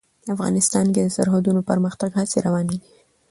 افغانستان کې د سرحدونه د پرمختګ هڅې روانې دي.